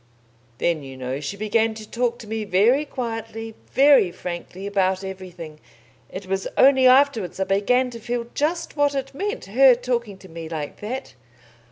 Then, you know, she began to talk to me very quietly, very frankly, about everything. It was only afterwards I began to feel just what it meant, her talking to me like that."